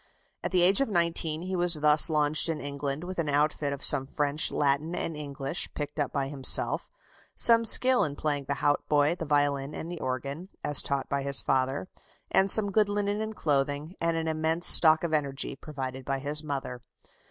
At the age of nineteen, he was thus launched in England with an outfit of some French, Latin, and English, picked up by himself; some skill in playing the hautboy, the violin, and the organ, as taught by his father; and some good linen and clothing, and an immense stock of energy, provided by his mother.